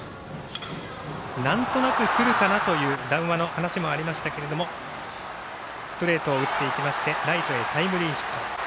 なんとなくくるかなという談話の話もありましたけれどもストレートを打っていきましてライトへタイムリーヒット。